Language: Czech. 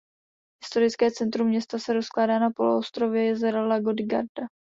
Historické centrum města se rozkládá na poloostrově jezera Lago di Garda.